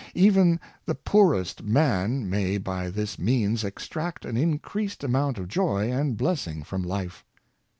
Even the poorest man may by this means extract an increased amount of joy and blessing from life.